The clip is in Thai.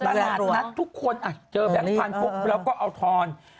ตลาดนัดทุกคนเจอแบงค์พันธุ์ปุ๊บเราก็เอาทอน